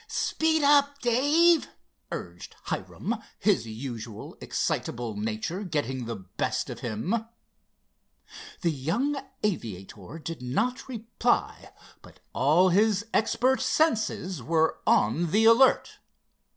"Speed up, Dave," urged Hiram, his usual excitable nature getting the best of him. The young aviator did not reply, but all his expert senses were on the alert.